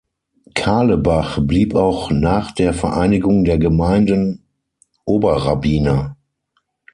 Carlebach blieb auch nach der Vereinigung der Gemeinden Oberrabbiner.